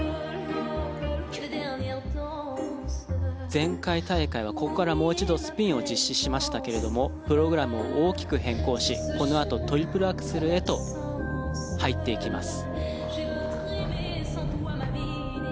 前回大会はここからもう一度スピンを実施しましたがプログラムを大きく変更しこのあとトリプルアクセルへと入っていきます。